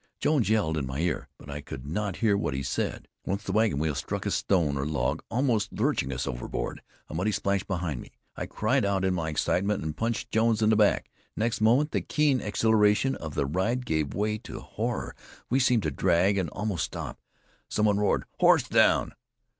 Jones yelled in my ear, but I could not hear what he said. Once the wagon wheels struck a stone or log, almost lurching us overboard. A muddy splash blinded me. I cried out in my excitement, and punched Jones in the back. Next moment, the keen exhilaration of the ride gave way to horror. We seemed to drag, and almost stop. Some one roared: "Horse down!"